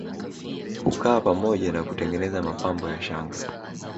Hukaa pamoja na kutengeneza mapambo ya shanga